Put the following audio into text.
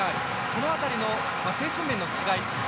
この辺りの精神面の違い